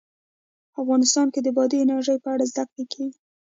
افغانستان کې د بادي انرژي په اړه زده کړه کېږي.